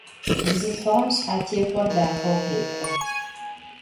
Бзылъфыгъэм шъхьэтехъор дахэу къекlу